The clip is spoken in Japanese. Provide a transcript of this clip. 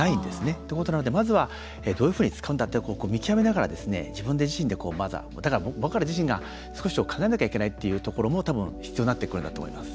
ってことなので、まずはどういうふうに使うんだって見極めながら自分自身でだから僕ら自身が少し考えなきゃいけないっていうところも多分必要になってくるんだと思います。